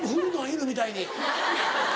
犬みたいに。